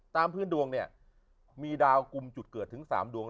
ตามพื้นดวงเนี่ยมีดาวกลุ่มจุดเกิดถึง๓ดวง